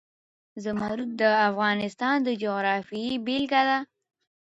زمرد د افغانستان د جغرافیې بېلګه ده.